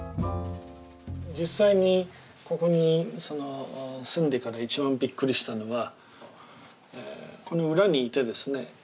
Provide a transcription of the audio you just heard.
実際にここに住んでから一番びっくりしたのはこの裏にいてですね